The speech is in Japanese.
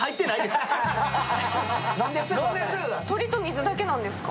鶏と水だけなんですか？